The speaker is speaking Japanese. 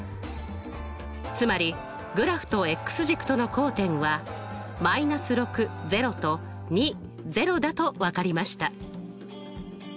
つまりグラフと軸との交点はとだと分かりました。